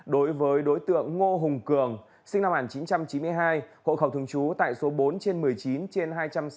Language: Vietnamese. đối với đối tượng ngô hùng cường sinh năm một nghìn chín trăm chín mươi hai hộ khẩu thường trú tại số bốn trên một mươi chín trên hai trăm sáu mươi bảy